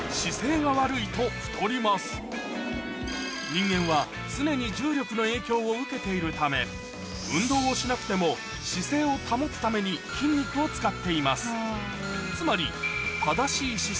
さらに人間は常に重力の影響を受けているため運動をしなくても姿勢を保つために筋肉を使っています